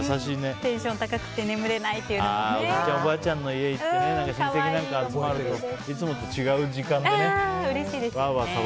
テンション高くておじいちゃん、おばあちゃんの家に行って親戚とか集まるといつもと違う時間がね。